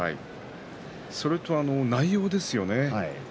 それと内容ですよね。